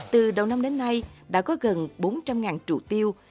từ đầu năm đến nay đã có gần bốn trăm linh trụ tiêu